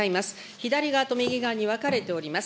左側と右側に分かれております。